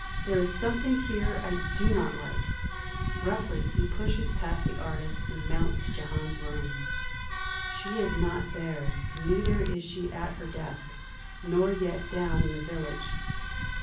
There is something here I do not like!" Roughly he pushes past the artist and mounts to Jehane's room. She is not there, neither is she at her desk. Nor yet down in the village.